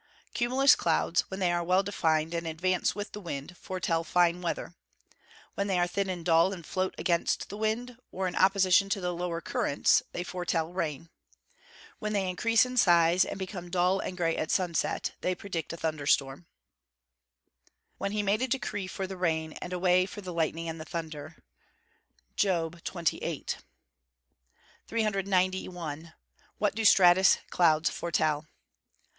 _ Cumulus clouds, when they are well defined, and advance with the wind, foretell fine weather. When they are thin and dull, and float against the wind, or in opposition to the lower currents, they foretell rain. When they increase in size, and become dull and grey at sunset, they predict a thunder storm. (Fig. 7.) [Verse: "When he made a decree for the rain, and a way for the lightning and the thunder." JOB XXVIII.] 391. _What do stratus clouds foretell?